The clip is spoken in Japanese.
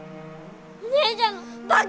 お姉ちゃんのバカ！